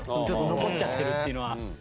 ちょっと残っちゃってるっていうのは。